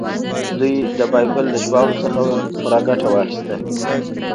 دوی د بایبل له ژباړو څخه پوره ګټه واخیسته.